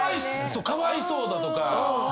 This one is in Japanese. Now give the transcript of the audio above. かわいそうだとか。